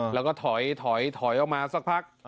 แล้วก็ถอยถอยถอยออกมาสักพัก